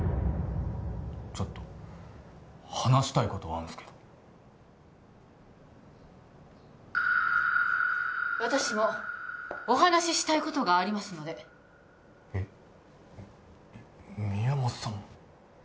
ちょっと話したいことあるんすけど私もお話ししたいことがありますのでえっえっ宮本さんも？